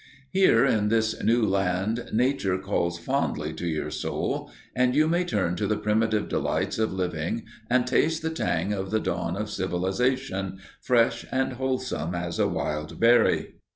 Here in this new land nature calls fondly to your soul, and you may turn to the primitive delights of living and taste the tang of the dawn of civilization, fresh and wholesome as a wild berry.